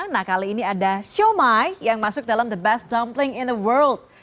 nah kali ini ada shumai yang masuk dalam the best dumpling in the world